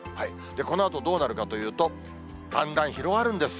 このあとどうなるかというと、だんだん広がるんです。